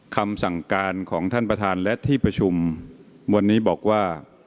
คำสั่งการของท่านประธานและที่ประชุมวันนี้บอกว่า